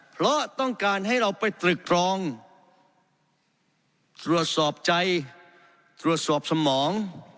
เพราะต้องการให้เราไปตรึกตรองตรวจสอบใจตรวจสอบสมอง